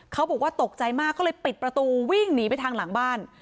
เขาบอกว่าตกใจมากก็เลยปิดประตูวิ่งหนีไปทางหลังบ้าน